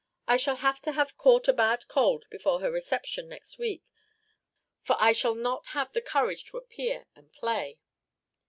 I shall have to have caught a bad cold before her reception next week, for I shall not have the courage to appear and play."